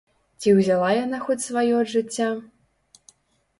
Ці ўзяла яна хоць сваё ад жыцця?